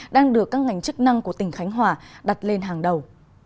đang được các ngành chức năng của tỉnh khánh hòa đặt lên hàng đầu